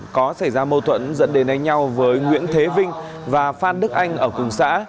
có xảy ra mâu thuẫn dẫn đến đánh nhau với nguyễn thế vinh và phan đức anh ở cùng xã